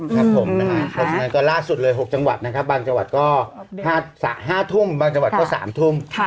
เพราะฉะนั้นก็ลาสุดเลยหกจังหวัดนะครับบางจังหวัดก็ห้าศาสตร์ห้าทุ่มบางจังหวัดก็สามทุ่ม